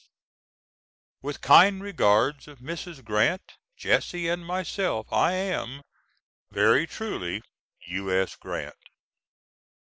With kind regards of Mrs. Grant, Jesse and myself, I am, Very truly, U.S. GRANT.